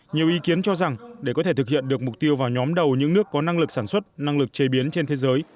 nhiều ý kiến cho rằng để có thể thực hiện được mục tiêu vào nhóm đầu những nước có năng lực sản xuất năng lực chế biến trên thế giới